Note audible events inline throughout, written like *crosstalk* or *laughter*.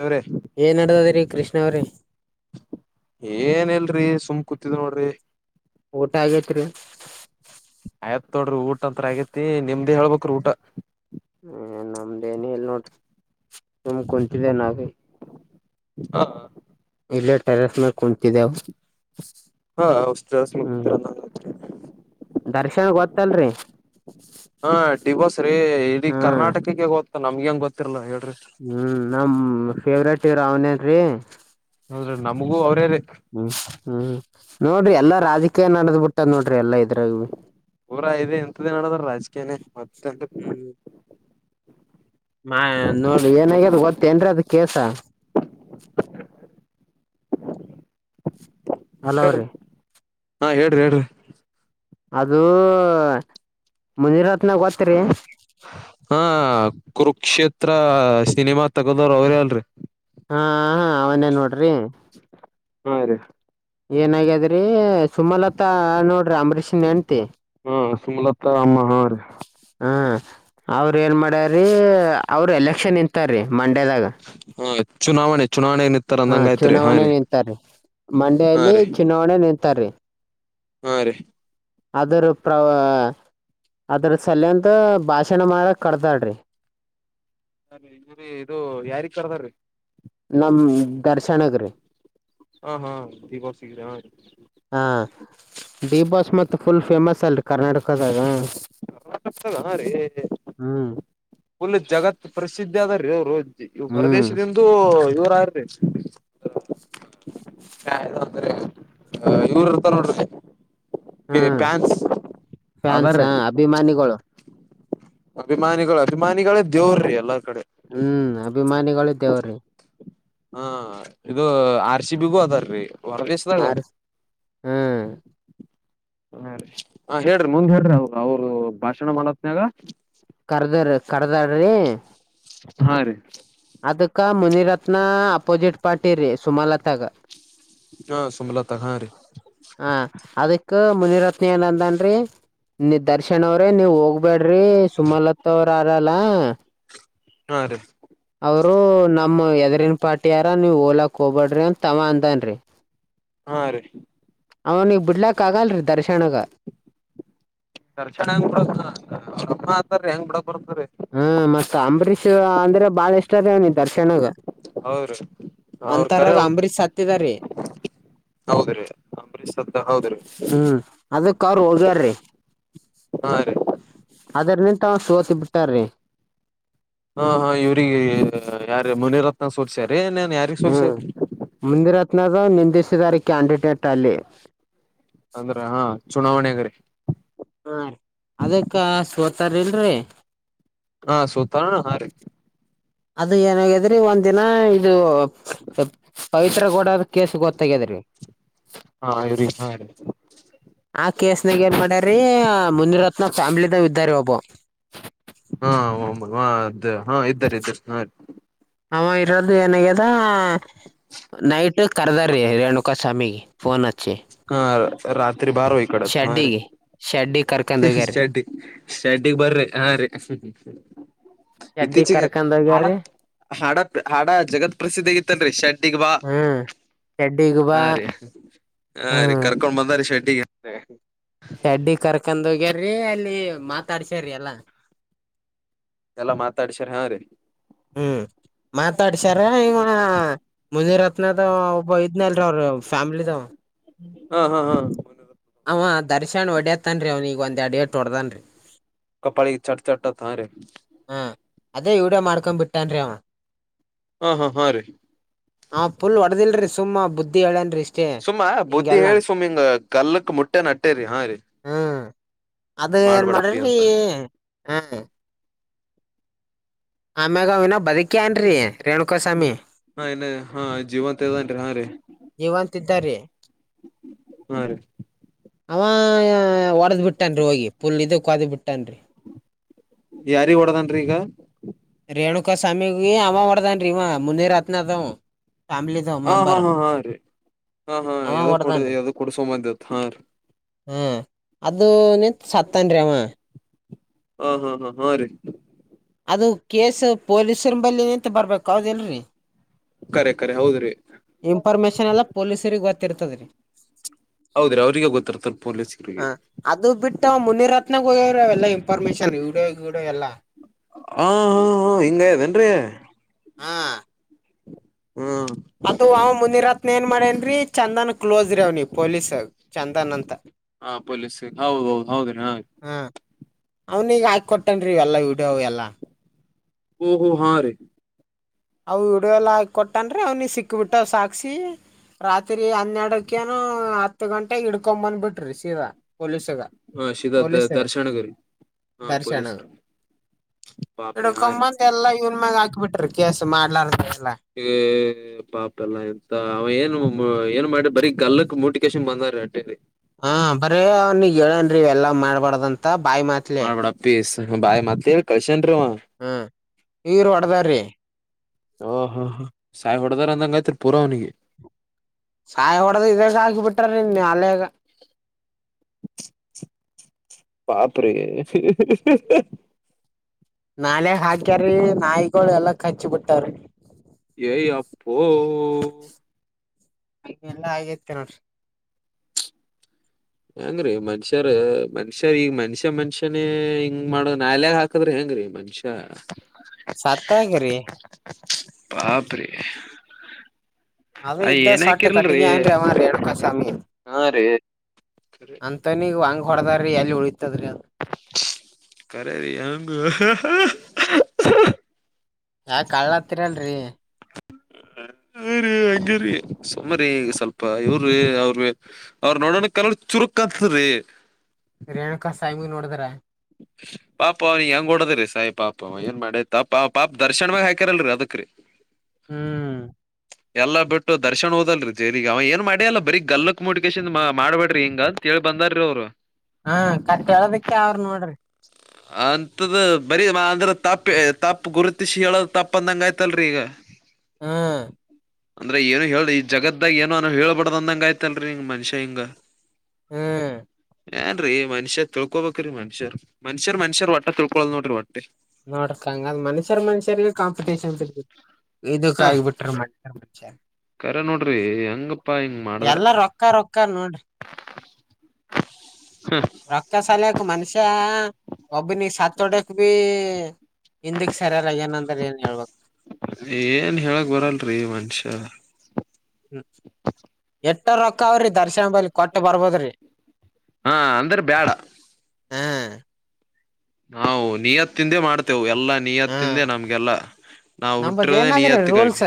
ದೇವ್ರೇ ಏನ್ ಅಡದದ್ರೀ ಕೃಷ್ಣ ನ ರೀ ಏನ್ ಇಲ್ರಿ ಸುಮ್ ಕೂತಿದ್ ನೋಡ್ರಿ ಊಟ ಆಗೇತ್ರಿ ತೊೋಡ್ರಿ ಊಟ ಅಂತ ಆಗೇತಿ ನಿಮ್ದೇ ಹೇಳ್ಬ್ರ ಊಟ ಹ್ಮ ನಮ್ದ ಏನಲ್ ನೋಡ್ರಿ ಸುಮ ಕುಂತಿದೆೆ ನಾವ ಹಾ ಇಲ್ಲಿೇ ಟರಸ್ ಮ ಹಾ ಅವ ನ ಹ್ಮ್ *unintelligible* ದರ್ಶನ್ ಗೊತ್ತಲ್ರಿ ಹಾ ಡಿವೋಸ್ ರೀ ಇಡೀ ಹ್ಮ್ ಕರ್ನಾಟಕಕ್ಕೆ ಗತ್ತು ನಮ್ಗೆಂಗ ಗೊತ್ತಿರಲ್ಲ ಹೇಳಿ ಹ್ಮ್ ನಮ್ಮ ಫೇವ್ರೇಟ್ರ ಅವನೇನ್ರಿ ಹೌದ್ರ ನಮಗೂ ಅವ್ರೇೇ ಹ್ಮ್ ಹ್ಮ್ ನೋಡ್ರಿ ಎಲ್ಲಾ ರಾಜಕೀಯ ನಡೆದ್ ಬಿಟ್ಟದ್ ನೋಡ್ರಿ ಎಲ್ಲಾ ಇದ್ರಾಗ ಭ ನಡದರ ರಾಜ್ ಅ ಮತ್ತ ಹ ನೋಡ ಏನಾಗ್ಯದ ಗೊತ್ತೇನ್ರಿ ಅದ್ ಕೇಸ ಹಲೋ ಹೇಳ್ರಿ ರೀ ಹಾ ಹೇಳ್ರಿ ಹೇಳ್ರಿ ಅದು ಮಂಜುನಾತ್ನಾಗತ್ರಿ ಹ ಕುರುಕ್ಷೇತ್ರ ಸಿನಿಮಾ ತಗೋದವ್ರ ಅವ್ರೇ ಅಲ್ರಿ ಹಾ ಹಾ ಅವನ್ನೇ ನೋಡ ರಿ *unintelligible* ಹಾ ರೀ ಏನಗ್ಯಾದ್ರಿ ಸುಮಲತಾ ನೋಡ್ರಿ ಅಂಬರೀಷ್ ನಂತೆ ಹ ಸುಮಲತಾ ಅಮ್ಮಾರ್ ಹ ಅವ್ರ ಏನ್ ಮಾಡ್ಯ್ರೀ ಅವ್ರ ಎಲೆಕ್ಷನ್ ಇಂತಾರೀ ಮಂಡ್ಯದಾಗ ಹಾ ಚುನಾವಣೆ ಚುನಾವಣೆ ನಿತ್ತಾರ ಹಾ ಅಂದಂಗ ಆಯ್ತ್ರಿ ಹಾ ಚುನಾವಣೆ ರೀ ನಿಂತಾರೆ ಹಾ ಮಂಡ್ಯಲ್ಲಿ ರೀ ಚುನಾವಣೆ ನಿಂತ ಹತಾರೆ ಹಾ ರೀ ಅದ್ರ ಪ್ರ ಅದ್ರ ಸಲ್ಲ ಅಂತ ಭಾಷಣ ಮಾಡಕ್ ಕಡ್ದಾಡ್ರಿ ಅರಿ ಇೀ ಇದು ಯಾರಿಗ್ ಕರ್ದೀ *unintelligible* ನಮ್ಮ ದರ್ಶನಗೆರ ಹಾ ಹಾ ಬಿಗ್ ಬಾಸ್ ಗೆ ಹಾ ರೀ ಹಾ ಬಿಡಿ ಬಾಸ್ ಮ ಫುಲ್ ಫೇಮಸ್ ಅಲ್ರಿ ಕರ್ನಾಟಕದಾಗ ರೀ ಹ್ಮ್ ಲ್ ಜಗತ್ ಪ್ರಸಿದ್ಧಿ ಆದ ರೀ ಹೌದದು ಇ ಹ್ಮ್ ಹೊರದೇಶದಂದು ಇರದ ಹ ಅಂದ್ರೆ ಇವ್ರ ಇರ್ತ ನೋಡ್ರೆ ಹ್ಮ ಫ್ಯಾನ್ಸ್ ಅದಾರೀ ಹ ಅಭಿಮಾನಿಗಳು ಅಭಿಮಾನಿಗಳು ಅಭಿಮಾನಿಗಳೇ ದೇವ್ರಿ ಎಲ್ಲಾರ್ ಕಡೆ ಹ್ಮ್ ಅಭಿಮಾನಿಗಳು ಇದೇವ್ರಿ ಹಾ ಇದು ಆರ್ಶಿ ಬಿಗು ಅದಾರರಿ ಹೊರ ದಿವಸದಂಗ ಆರ್ ಹ್ಮ್ ಹ ಹೇಳ್ರಿ ಮುಂದ್ ಹೇಳ್ರಿ ಅವರು ಅವ್ರು ಭಾಷಣ ಮಾಡತ್ನಯಾಗ ಕರ್ದಾರಿ ಕರ್ದಡ್ರಿ ಹಾ ರೀ ಅಪೋಜಿಟ್ ಪಾರ್ಟಿ ರ ಸೋಮಾಾಲತಾಗಾಗ ಹಾ ಸುಮಲತ ಹಾ ರೀ ಹಾ ಅದಕ್ಕೆ ಮುನಿರತ್ನ ಏನಂತನ್ರಿ ನಿ ದರ್ಶ ಶಕ್ಷಣ ಅವ್ರಿ ನೀವ್ ಹೋಗ್ಬೇಡ್ರಿ ಸುಮಲತಾ ಅವ್ರರಲ್ಲ ಹಾ ರೀ ಅವರು ನಮ್ಮ ಹೆದರಿನ ಪಾರ್ಟಿ ಯಾರ ನೀವು ಹ ಕಬಡ್್ರ ತಾವ ಅಧಾನರೆ ಹಾ ರೀ ಅವನಿಗೆ ಬಿಡ್ಲಾಕ್ ಆಗಲ್ರರಿ ದರ್ಶನಗ ದರ್ಶಣ ಹೆಂಗ್ ಬಿಡತ ಹೆಂಗ್ ಬಿಡ ಹ್ಮ ಮತ್ತ್ ಅಂಬರೀಷ್ ಅಂದ್ರೆ ಬಾಳ ಇಷ್ಟು ಇನ ದರ್ಶನಗ ಹೌದ್ರೀ ಅವ್ರ ಕರೆ ಅಂಬರೀಷ್ ಸತ್ತಿದಾರಿ ಹೌದ್ರೀ ಅಂಬರೀಶ್ ಸತ್ತಾಗ ಹೌದ್ರಿ ಅದಕ್ಕ ಅವ್ರ ಹೋಗಾರೀ ಹಾ ರೀ ಅದ್ರ ನಿಂತ ಅವ ಸೋತಿ ಬಿಟ್ಟಾರಿ ಹಾ ಹಾ ಇವ್ರಿಗೆ ಯಾರ ಮುನಿರತ್ನ ಸೋಲ್ಸೆರಿ ಹ್ಮ ಮುನಿರತ್ನ ಹತ್ನಾರ ನಿಂದೇಶ ಕ್ಯಾಂಡಿಡೇಟ್ ಅಲ್ಲಿ ಅಂದ್ರೆ ಹಾ ಚುನಾವಣೆ ಅಗ್ರ ಹಾ ರೀ ಅದಕ್ಕ ಸೋತಾರ ಇಲ್ರಿರಿ ಹಾ ಸೂತಾರ ಹಾ ರಿ ಅದ ಏನಾಗಿದ್ರಿ ಒಂದ ದಿನ ಇದು ಪವಿತ್ರ ಕೋಡ್ ಕ ಕೇಸ್ ಗೊತ್ತಾಗ್ಯದೀ ಹಾರಿ ಹಾ ಆ ಕೇಸ್ನಾಗ ಏನ್ ಮಾಡ್ಯಾರೀ ಮುನಿರತ್ನ ನಾವ್ ಫ್ಯಾಮಿಲಿದ ಇದ್ದಾರೆ ಒಬ್ಬ ಹ ಅ ಹಾ ಇದ್ದಾರೆ ಇದಾರೆ ಹ ಹ ಇರದು ಏನ್ ದ ನೈಟ್ ಕದ ರೀ ರೇಣುಕಾ ಸ್ವಾಮಿಗೆ ಫೋನ್ ಅಚ್ಚಿ ಹಾ ರಾತ್ರಿ ರಿ ಬಾರೋ ಈ ಕಡೆ ಶೆಡ್ಡಿಗೆ ಶೆಡ್ಡಿಗೆ ಕರ್ಕೊಂಡ್ ಅಂತ ಹೋಗ್ಯಾರಿ ಶಡ್ಡಿ ಶೆಡ್ಡಿಗ್ ಬರ್ರಿ ಹಾ ರೀ ಶೆಡ್ಡಿಗೆ ಇತ್ತೀಚಿಗೆ ಕರ್ಕೊಂಡ್ ಹಡ ಹೋಗ್ಯಾರಿ ಹಾಡ ಹಾಡ ಜಗತ್ ಪ್ರಸಿದ್ಧಿಗಿತ್ತನ್ರಿ ಶೆಡ್ಡಿಗ್ ಬಾ ಹ್ಮ್ ಶೆಡ್ಡಿಗೆ ಬಾ ಹ ರೀ ಹಾ ರೀ ಹ್ಮ್ ಕರ್ಕೊಂಡ್ ಬಂದಾರೀ ಶೆಡ್ *inaudible* ರಿ ಅಲ್ಲಿ ಮಾತಾಡ್ಸ್ರ ಅಲ್ಲಾ ಎಲ್ಲಾ ಮಾತಾಡ್ಸರಿ ಹಾ ರೀ ಹ್ಮ್ ಮಾತಾಡ್ಸಾರ ಈವ ಮುನಿರತ್ನದ ಒಬ್ಬ ಇದ್ನಲ್ರ ಅವ್ರ ಫ್ಯಾಮ್ಲಿದ ಹಾ ಹಾ ಹಾ ಮ ಹ ದರ್ಶನ್ ಒಡ್ಯತನ ರಿ ಅವ್ನಗ ಒಂದ್ ಅಡ ಎಟ್ ಹೊಡ್ದನ್ರಿ ಕಪಾಳಿ ಚಟ್ ಚಟ್ತ್ ಅಂತ ರೀ ಹಾ ಅದೇ ವಿಡಿಯೋ ಮಾಡ್ಕೊಂಡ್ ಬಿಟ್ಟನ್ರಿ ಹವಾ ಹಾ ಹಾ ಹಾ ರೀ ಆ ಪುಲ್ ಹೊಡದಿಲ್ರರಿ ಸುಮ್ಮಾ ಬುದ್ಧಿ ಹೇಳೇನ್ರಿ ಸುಮ್ಮ ಬೂತಿ ಹೇಳಿ ಸುಮ್ಮ್ಗ ಗಲ್ಲಕ್ ಮುಟ್ಟೆ ನಟ್ಟೇರರಿ ಹಾರಿ ಹ್ಮ್ ಅದ ಏನ್ ಮಾಡಬೇಡಪ್ಪಿ ಮಾಡ್ರಿ ಅಂತ ಹಾ ಆಮ್ಯಾಗ ಅವವಿನ ಬದುಕಿ ಏನ್ರೀ ರೇಣುಕಾಸ್ವಾಮಿ ಹಾ ನ್ನ ಹಾ ಜೀವಂತದೇನ್ರಿ ಹಾ ರೀ ಜೀವಂತಿದ್ದಾರಿ ಹಾ ರೀ ಆವ ಹೊಡೆದ್ ಬಿಟ್ಟೇನ್ರಿ ಹೋಗಿ ಪುಲ್ ಇದ ಒಕಾದ ಬಿ ಯಾರಿಗ ಓಡದನ್ ಈಗ ರೇಣುಕ ಸ್ವಾಮಿಗೆ ಅಮ ಮಾಡಡದನ್ ರೀಮ್ಮ ಮುನ್ನಿರು ರತ್ನಾಥ್ ಹಾ ಹಾ ಹಾ ಹಾ ರೀ ಹಾ ಹಾ ಅವ ಯಾವ್ದ ಕೊಡ ಹೊಡ್ದಾನ್ರಿ ಯಾವ್ದು ಕೊಡ್ಸೋ ಮಂದತ್ ಹಾ ರೀ ಹಾ್ ಅದು ನ ಸತನ್ ರವ ಹಾ ಹಾ ಹಾ ಹಾ ರೀ ಅದು ಕೇಸ್ ಪೊಲೀಸರಂಬಲ್ಲಿ ನಿ ಬರ್ಬೇಕು ಹೌದ ಇಲ್ರಿ ಕರೆ ಕರೆ ಹೌದ್ರಿ ಇನ್ಫಾರ್ಮೇಶನ್ ಎಲ್ಲ ಪೊಲೀಸರಿಗೆ ಗೊತ್ತ ರ್ತದರಿ ಹೌದ್ರಿ ಅವ್ರಿಗೆ ಗೊತ್ತಿರ್ತಾರ ಹ ಪೊಲೀಸರಿಗೆ ಅದು ಬಿಟ್ಟು ಮುನಿರತ್ನ ಹೋಗಲ್ಲ ಇನ್ಫಾರ್ಮೇಶನ್ ವಿಡಿಯೋಡೋ ಎಲ್ಲ ಹಾ ಹಾ ಹಾ ಹಿಂಗಾಯದೇನ್ರಿ ಹಾಂ ಹ್ಮ್ ಮುಂದಿ ಇರತ್ನ ಏನ್ ಮಾಡೇನ್ೀ ಚಂದನ್ ಕ್ಲೋಸ್ ಅವ್ನಿ ಪೊಲೀಸ್ ಚಂದನ್ ಅಂತ ಹಾ ಪೊಲೀಸ್ ಹೌದ ಹೌದು ಹೌದ್ರಿ ಹಾಗ ಅವನೀಗ ಆಾಕ ಕೊೊಟ್ಟನ್ ಎಲ್ಲ ವಿಡಿಯೋ ಎಲ್ಲಾ ಓಹೋ ಹಾ ರೇ ಅ ಹಿಡವೆಲ್ಲ ಹಾಕಿ ಕೊಟ್ಟನ್ ಅವ್ನಿ ಸಿಕ್ಕಬಿಟ್ಟ ಸಾಕಸಿ ರಾತ್ರಿ ಹನ್ನೆರಡಕ್ಕೇನು ಹತ್ತು ಗಂಟೆಗೆ ಹಿಡ್ಕೊಂಬಂದ್ಬಿಟ್ರಿ ಸೀರಾ ಪೊಲೀಸಗ ಹ ಶಿದ ಪೊಲೀಸರು ದರ್ಶನಗರಿ ಹಾ ದರ್ಶನ ಪೊಲೀಸ್ರ ನಡ ಪಾಪ್ರಿ ಹಾ ರೀ ಕಂಬಂದ ಎಲ್ಲಾ ಇವನ್ ಮ್ಯಾಗ ಹಾಕ ಬಿಿಟ್ಟರು ಮಾಡಲಾರ ಪಾಪ ಎಲ್ಲ ಎಂತ ಅವ ಏನು ಏನ್ ಮಾಡಿ ಬರೀಗ್ ಗಲ್ಲಕ್ ಮೋಟಿವೇಶನ್ ಬಂದ ಅಲ್ಲಿ ಹಾ ಬರೀ ಅವ ನೀಗ್ ಹೇಳನ್ರಿ ಎಲ್ಲಾ ಮಾಡ್ ಬಡದಂತ ಬಾಯಿ ಮಾತ್ಲೆ ಮಾಡ್ಬೇಡ ಪೀಸ್ ಬಾಯ್ ಮತ್ತ ಕ ನ್ವ ಇವ್ರು ಹೊಡದಾರ್ರಿ ಓ ಹ ಸಾಯಿ ಹೊಡೆದಾರ ಅಂದಂಗಯ್ತ್ರಿ ಪೂರ ಅವನಿಗೆ ಸಾಯಿ ಹೊಡೋದು ಇದ ಸಾಯಕ ಬಿಟ್ಟಾರೆ ಏ ನ್ಯಾಲ್ಯಾಗ್ ಪಾಪ್ರಿ ನಾಲ್ಯಾಗ್ ಹಾಕ್ಯಾರೀ ನಾಯಿಗೊಳು ಎಲ್ಲಾ ಕಚ್ಚಿ ಬಿಟ್ಟವ್ ರಿ ಏ ಯಪ್ ಓ ಎಲ್ಲಾ ಆಗೈತೆ ನೋಡ್ರಿ ಹೆಂಗ್ರೀ ಮನುಷ್ಯರ ಮನುಷ್ಯರ್ ಈಗ ಮನ್ಷ್ಯ ಮನ್ಷ್ಯನೇ ಹಿಂಗ್ ಮಾಡೋ ನಾಲ್ಯಾಗ್ ಹಾಕದ್ರ ಹೆಂಗ್ರೀ ಮನುಷ್ಯ ಸತ್ತಾಗ್ರಿ ಪಾಪ್ ರೀ ಅದು ಇದ್ದ ಸ್ವಟ್ಟ ಕಟ್ಟಿಗಿ ಹಾನ್ ರಿ ಅಂವಾ ರೇಣುಕಸ್ವಾಮಿ ಹಾ ರೀ ಅಂತೊನಿಗ ಹಂಗ್ ಹೊಡದಾರ್ ರಿ ಎಲ್ಲಿ ಉಳಿತದ್ರಿ ಅದು ಕರೇರಿ ಅಂಗ ಯಾಕ್ ಅಳ್ಳತೀರ ಅಲ್ರಿ ಅರಿ ಹಂಗೆ ರಿ ಸುಮ್ ಸುಮ್ರಿ ಈಗ ಸ್ವಲ್ಪ ಇವ್ರೀ ಅವ್ರ ಅವ್ರ ನೋಡಣ ಕರಳ್ ಚುರುಕ್ ಅಂತದ್ರಿ ರೇಣುಕಸ್ವಾಮಿಗ ನೋಡ್ದ *inaudible* ಪಾಪ ಅವ ಹೆಂಗ ಓಡದ್ರೀ ಸಾಯಿ ಪಾಪ ಅವ ಏನ್ ಮಾಡ್ಯನ್ ತಪ್ ಪಾ ಪಾಪ ದರ್ಶನ್ ಮ್ಯಾಗ ಹಾಕ್ಯರಲ್ರಿ ಅದಕ್ರೀ ಹ್ಮ್ ಎಲ್ಲಾ ಬಿಟ್ಟು ದರ್ಶನ್ ಹೋದಲ್ರಿ ಜೇರಿಗ ಅವ ಏನ್ ಮಾಡೆ ಇಲ್ಲ ಬರಿ ಗಲ್ಲಕ್ ಮುಟ್ಗೆಸಿಂದ ಮಾ ಮಾಡಬ್ಯಾಡ್ರಿ ಹಿಂಗ ಅಂತ ಹೇಳ್ ಬಂದಾರೀ ಅವ್ರು ಹಾ ಕಟ್ ಹೇಳೋದಕ್ಕೆ ಅವ್ರ ನೋಡ್ರಿ ಅಂತದ ಬರಿ ಮಾ ಅಂದರ್ ತಪ್ಪಿ ತಪ್ಪ ಗುರುತಿಸಿ ಹೇಳೋದ ತಪ್ಪ ಅಂದಂಗ ಆಯ್ತಲ್ರರಿ ಈಗ ಹ್ಮ್ ಅಂದ್ರೆ ಏನು ಹೇಳಿ ಈ ಜಗತ್ತಾಗ ಏನೋ ಅನೋ ಹೇಳಳ್ಬಡ್ದ್ ಅಂದಂಗ ಆಯ್ತಲ್ರಿ ಹಿಂಗ್ ಮನುಷ್ಯ ಹಿಂಗ ಹ್ಮ್ ಏನ್ರೀ ಮನಷ್ಯ ತಿಳ್ಕೊಬೇಕ್ರೀ ಮನಷ್ಯರ್ ಮನುಷ್ಯರ್ ಮನುಷ್ಯರ ಒಟ್ಟಾ ತಿಳ್ಕೊಳಲ್ ನೋಡ್ರಿ ವಟ್ ನೋಡ್ ಖಂಗ್ ಅಂದ್ ಮನಷ್ಯರ ಮನಷ್ಯರಿಗೆ ಕಾಂಪಿಟೇಷನ್ ಇರ್ತೈತ ಹ ಇದುಕಾಗಿ ಬಿಟ್ರ ಮನಷ್ಯರ್ ಮನಷ್ಯ ಕರೆ ನೋಡ್ರಿ ಹೆಂಗಪ್ಪಾ ಹಿಂಗ ಮಾಡದರ ಎಲ್ಲಾ ರೊಕ್ಕ ರೊಕ್ಕ ನೋಡ್ರಿ ರೊಕ್ಕಾ ಸಲ್ಯಕ್ ಮನುಷ್ಯ ಒಬ್ಬನಿ ಸತ್ತೋಡ್ಯಕ್ ಬೀ ಹಿಂದಕ್ ಸಾರ್ಯಲ್ಯಗನ ಅಂದರ್ ಏನ್ ಹೇಳ್ಬೇಕ ರಿ ಮನಷ್ಯರ್ ಹ್ಮ್ ಏಟ್ಟೋ ರೊಕ್ಕಾ ಅವ್ರಿ ದರ್ಶನ್ ಬಲ್ಲಿ ಕೊಟ್ಟ ಬರ್ಬೇಕರಿ ಹಾ ಅಂದ್ರ ಬ್ಯಾಡ ಹ್ಮ್ ನಾವು ನಿಯತ್ತಿಂದೆ ಮಾಡ್ತೇವೆ ಎತ್ ಹಾ ನಾವು ನಂಬದ ಹುಟ್ಟಿರೋದೇ ಏನಾದ್ರಿ ನಿಯತ್ತಿಗಾಗಿ ರೂಲ್ಸ್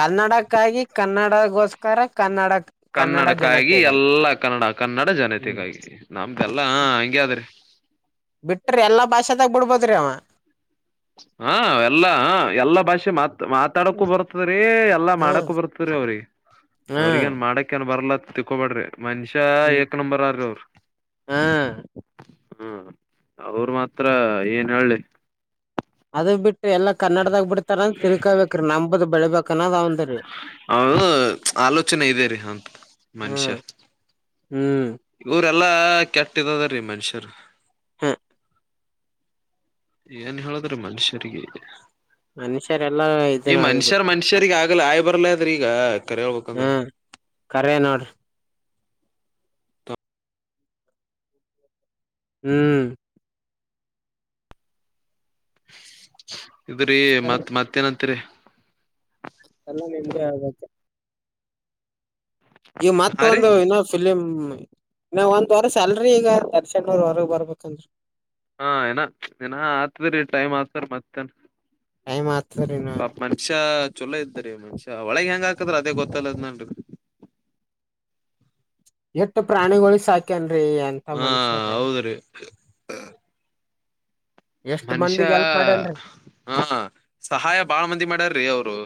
ಕನ್ನಡಕ್ಕಾಗಿ ಕನ್ನಡ ಗೋಸ್ಕರ ಕನ್ನಡ ಕನ್ನಡಕ್ಕಾಗಿ ಜನತೆಗಾಗಿ ಎಲ್ಲಾ ಕನ್ನಡ ಕನ್ನಡ ಹ್ಮ್ ಜನತೆಗಾಗಿ ನಮ್ದಲ್ಲ ಹ ಹಂಗಗೆಾದ್ರೆ ಬಿಟ್ರಿ ಎಲ್ಲಾ ಭಾಷೆದಾಗ ಬಿಡ್ಬೋದ್ರಿ ಅವ ಹಾ ಎಲ್ಲ ಹ ಎಲ್ಲಾ ಭಾಷೆ ಮಾತ್ ಮಾತಾಡಕೂ ಹ್ಮ್ ಬರ್ತದ್ರೀ ಎಲ್ಲಾ ಹ್ಮ್ ಮಾಡಕು ಬರ್ತರಿೀ ಅವ್ರಿ ಅವ್ರಿಗ ಏನ್ ಹ್ಮ್ ಮಾಡಕ್ಕ ಏನ್ ಬರ್ಲತ್ತ ತಿಕ್ಕೋಬಡ್ರಿ ಮನುಷಾ ಎ ನಂಂಬರನಗ ಅವರು ಹ್ಮ್ ಹ್ಮ ಅವರು ಮಾತ್ರ ಏನ್ ಹೇಳಳ್ಳಿ ಅದ ಬಿಟ್ಟು ಎಲ್ಲಾ ಕನ್ನಡದಾಗ ತರ ತಿರುಕಬೇಕ್ರಿ ನಂಬದು ಬೆಳಿಬೇಕಾನಾವಂದಿ ಅವನು ಆಲೋಚನೆ ಇದೆರಿ ಅಂತ ಮನುಷ್ಯ ಹ್ಮ್ ಹ್ಮ ಎಲ್ಲಾ ಕೆಟ್ಟ್ದದ ರೀ ಮನುಷ್ಯರು ಹಾ ಏನ್ ಹೇಳಿದ್ರೆ ಮನುಷ್ಯರಿಗೆ ಮನುಷ್ಯರೆಲ್ಲ ಇದನ್ನು ಆಗದು ಲ್ಲ ಆಯ್ ಬರ್ಲಾದಿ ಈಗ ಕರಿ ಹ್ಮ ಹೇಳ್ಬೇಕಂದ್ರ ಕರೆ ನೋಡ್ರಿ ಹ್ಮ್ *inaudible* ಇದ್ರೀ ಮತ್ತ್ ಮತ್ತೇಏನತ್ರಿ ಎಲ್ಲ ನಿಮ್ದೇ ಆಗೆತೆ ಈ ಮತ್ತ ಹಾ ರೀ ಒಂದು ಇಏನ ಫಿಲಿಮ್ ನ ಒಂದ್ ವರೆ ಸ್ಯಾಲ್ರಿ ಈಗ *unintelligible* ವರೆಗೆ ಬರ್ಬೇಕಂದ್ರೀ ಹಾ ಏನ ಏನ ಆತದ್ರಿ ಟೈಮ್ ಆತಾರ ಮತ್ತನ್ ಟೈಮ್ ಆತದ್ರಿ ಇನ್ನ ಪಾ ಮನ್ಷ್ಯ ಚೊಲೋ ಇದ್ದರಿ ಮನ್ಷ್ಯ ಒಳಗ್ ಹೆಂಗ ಆಾಕದ್ರ ಅದೇ ಗೊತ್ತಲ್ಲದ ನನ್ ಎಷ್ಟ ಪ್ರಾಣಿಗಳು ಸಾಕನ್ರಿ ಎಂತ ಮನುಷ್ಯರೇ ಹ *unintelligible* ಮನುಷ್ಯ ಮಂದಿಗ್ ಎಲ್ಪ್ ಮಾಡ್ಯನ್ರಿ ಹಾ ಸಹಾಯ ಬಾಳ ಮಂದಿ ಮಾಡ್ಯಾರ್ರೀ ಅವರು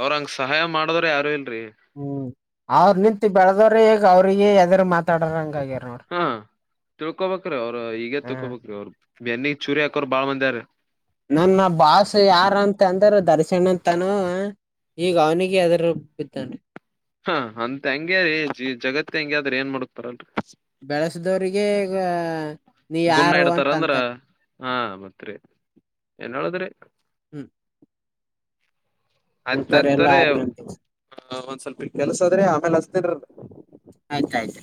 ಅವ್ರಂಗ ಸಹಾಯ ಮಾಡುದ್ರ ಯಾರು ಇಲ್ ಹ್ಮ್ ಅವ್ರ ನಿಂತು ಬೆಳದವ್ರೆಗ ಅವ್ರಿಗೆ ಯದರು ಮಾತಾಡರ ಹಂಗಾಗಿರ ಹಾ ತಿಳ್ಕೊಬೇಕ್ರೀ ಅವರು ಈಗೇ ಹ್ಮ ತಿಳ್ಕೊಬೇಕ್ರಿ ಅವ್ರ ಬೇನ್ನಿಗೆ ಚೂರಿ ಹಾಕೋರ್ ಬಾಳ್ ಮಂದಿ ಆದರಿ ನನ್ನ ಬಾಾಸ ಯಾರ ಅಂತ ಅಂದ್ರ ದರಿಸ ಸಣ್ಣ ತಾನು ಹ ಅಂತ ಹಂಗ್ಯಾರೀ ಜಗತ್ ಹೆಂಗಗೆಾದ್ರೆ ಏನ್ ಮಾಡ ಪರಂ ರೀ ಬೆಳೆಸದವ್ರಿಗೆ ಈಗ ನೀ ಗುಣ ಯಾರು ಇಡ್ತಾರ ಅಂತ ಅಂದ್ರ ಅಂತಾರೆ ಹಾ ಮತ್ರಿ ಏನ್ ಹೇಳದ್ರಿ ಹ್ಮ್ ಆಯ್ತ್ ಇಂಥವ್ರೆಲ್ಲಾ ಆಯ್ತವ್ರೀ ಆ ಒಂದ್ ಸ್ವಲ್ಪ ಕೆಲ್ಸ ಅದ್ರಿ ಆಮೇಲೆ ಹಸತಿನ್ಲ್ ಆಯ್ತಾಯ್ತು.